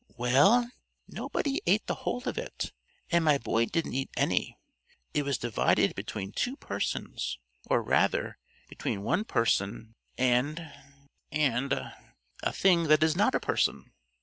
"Well, nobody ate the whole of it, and my boy didn't eat any. It was divided between two persons or rather, between one person and and a thing that is not a person."